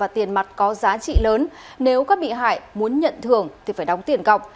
tiền mặt có giá trị lớn nếu các bị hại muốn nhận thưởng thì phải đóng tiền cọc